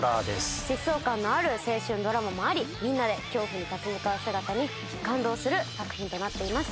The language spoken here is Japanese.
疾走感のある青春ドラマもありみんなで恐怖に立ち向かう姿に感動する作品となっています。